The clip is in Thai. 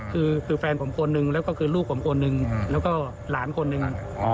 คือแฟนผมคนหนึ่งแล้วก็คือลูกผมคนหนึ่งแล้วก็หลานคนหนึ่ง